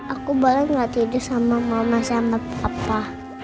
aku boleh gak tidur sama mama sama papa